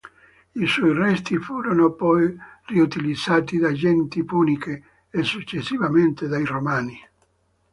I suoi resti furono poi riutilizzati da genti puniche e successivamente dai Romani.